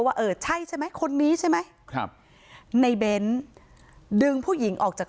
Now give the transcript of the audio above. ว่าเออใช่ใช่ไหมคนนี้ใช่ไหมครับในเบ้นดึงผู้หญิงออกจาก